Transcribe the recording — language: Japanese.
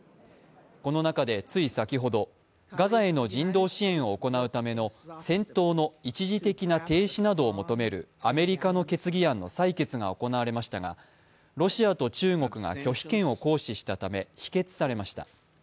この中でつい先ほど、ガザへの人道支援を行うための戦闘の一時的な停止などを求めるアメリカの決議案の採決が行われましたが、ロシアと中国が拒否権を行使したため否決されました。